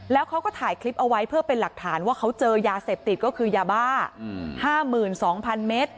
แล้วเขาก็ถ่ายคลิปเอาไว้เพื่อเป็นหลักฐานว่าเขาเจอยาเสพติดก็คือยาบ้า๕๒๐๐๐เมตร